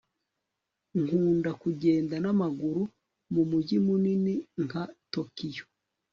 Nkunda kugenda namaguru mu mujyi munini nka Tokiyo